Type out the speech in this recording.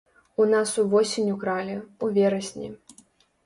У нас увосень укралі, у верасні.